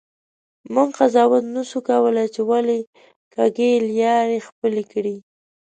مونږ قضاوت نسو کولی چې ولي کږې لیارې خپلي کړي.